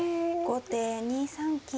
後手２三金。